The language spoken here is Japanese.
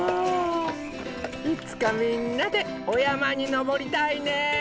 いつかみんなでおやまにのぼりたいね。